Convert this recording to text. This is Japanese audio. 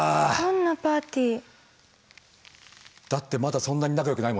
だってまだそんなに仲良くないもんね。